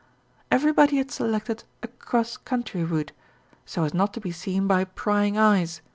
Everybody had selected a "cross country" route, so as not to be seen by "prying eyes."